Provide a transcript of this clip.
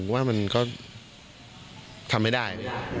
ผมว่ามันก็ทำไม่ได้